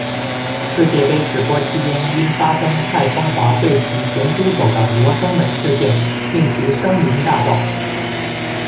世界杯直播期间因发生蔡枫华对其咸猪手的罗生门事件令其声名大噪。